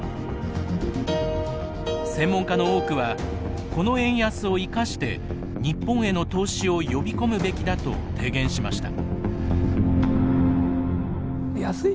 専門家の多くはこの円安を生かして日本への投資を呼び込むべきだと提言しました。